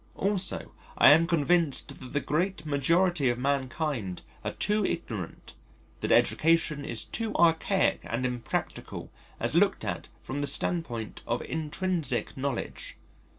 Also I am convinced that the great majority of mankind are too ignorant, that education is too archaic and impractical as looked at from the standpoint of intrinsic knowledge.